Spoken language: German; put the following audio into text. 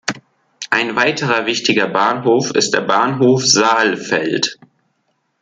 Ein weiterer wichtiger Bahnhof ist der Bahnhof Saalfeld.